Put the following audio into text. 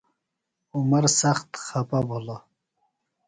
عمر سخت خپہ بھِلوۡ۔